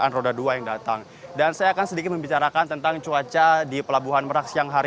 dan memang untuk situasi keamanan di pelabuhan merak sendiri